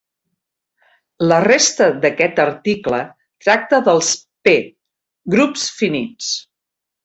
La resta d'aquest article tracta dels "p"-grups finits.